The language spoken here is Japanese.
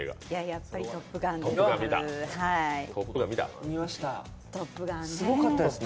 やっぱり「トップガン」です。